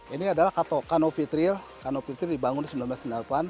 ini adalah kano fitril kano fitri dibangun seribu sembilan ratus sembilan puluh delapan